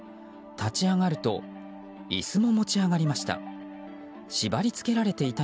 立ち上がると椅子も持ち上がりました。